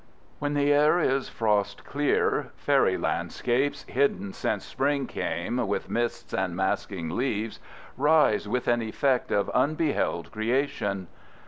When the air is frost clear fairy landscapes, hidden since spring came with mists and masking leaves, rise with an effect of unbeheld creation.